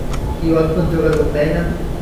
কি অদ্ভুত যোগাযোগ, তাই না?